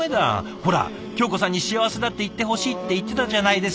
ほら京子さんに「幸せだ」って言ってほしいって言ってたじゃないですか。